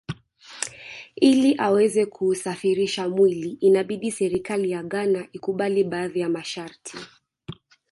Ili aweze kuusafirisha mwili inabidi serikali ya Ghana ikubali baadhi ya masharti